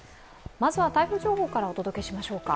まずは台風情報からお届けしましょうか。